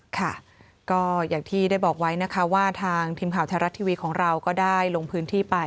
ค่ะก็อย่างที่ได้บอกไว้นะคะว่าทางทีมข่าวไทยรัฐทีวีของเราก็ได้ลงพื้นที่ไป